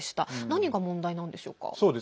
何が問題なんでしょうか。